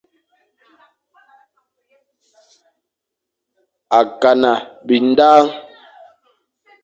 Akana bindañ.